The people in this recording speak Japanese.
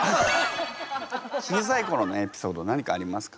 小さいころのエピソード何かありますか？